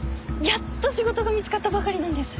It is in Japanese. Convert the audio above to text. やっと仕事が見つかったばかりなんです。